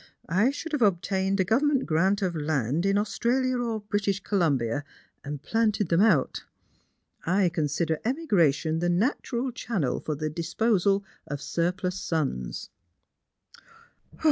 I should have obtained a government grant of land in Australia or British Columbia, and planted them out. I consider emigra* tion the natural channel for the disposal of surplus sons."